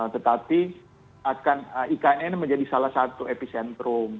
tetapi ican ini menjadi salah satu epicentrum